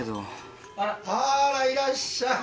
あーらいらっしゃい。